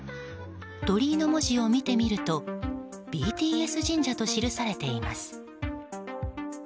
鳥居の文字を見てみると「ＢＴＳ神社」と記されています。